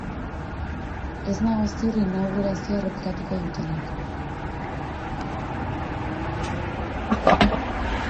Ez nago ziur inaugurazioa errepikatuko dutenik.